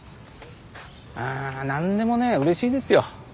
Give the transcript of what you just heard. うん何でもねうれしいですよ。